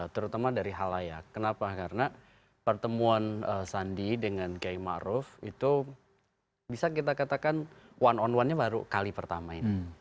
terutama dari hal layak kenapa karena pertemuan sandi dengan gai ma'ruf itu bisa kita katakan one on one nya baru kali pertama ini